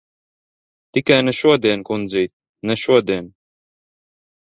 Tikai ne šodien, kundzīt. Ne šodien!